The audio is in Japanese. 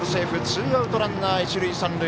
ツーアウト、ランナー、一塁三塁。